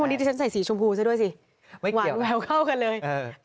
อ้าววันนี้จะใส่สีชมพูซะด้วยสิหวานแววเข้ากันเลย